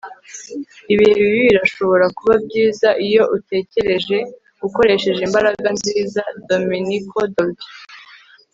ibihe bibi birashobora kuba byiza iyo utekereje ukoresheje imbaraga nziza. - domenico dolce